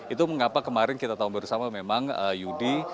itu mengapa kemarin kita tahu bersama memang yudi